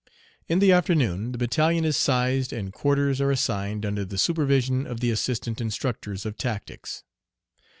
In the afternoon the battalion is sized and quarters are assigned under the supervision of the assistant instructors of tactics.